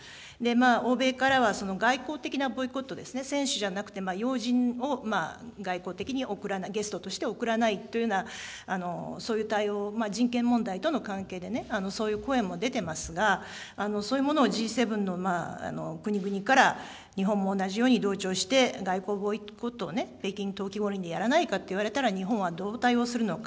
欧米からは、外交的なボイコットですね、選手じゃなくて、要人を外交的に送らない、ゲストとして送らないというような、そういう対応、人権問題との関係でね、そういう声も出ていますが、そういうものをＧ７の国々から、日本も同じように同調して外交ボイコットを北京冬季五輪でやらないかと言われたら、日本はどう対応するのか。